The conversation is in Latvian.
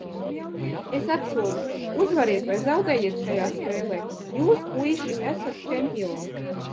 Es apsolu, uzvariet vai zaudējiet šajā spēlē, jūs, puiši, esat čempioni!